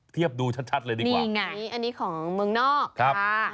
เทียบดูชัดเลยดีกว่านี่ไงอันนี้ของเมืองนอกครับ